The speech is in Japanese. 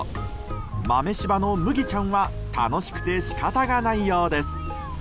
豆しばの麦ちゃんは楽しくて仕方がないようです。